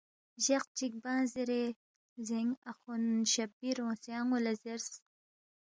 جق چک بانگ زیرے لزینگ اَخوند شبیر اونگسے آنو لا زیرس۔